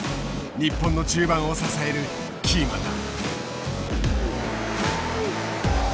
日本の中盤を支えるキーマンだ。